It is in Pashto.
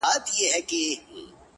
• شین طوطي کیسې د ټوکو جوړولې,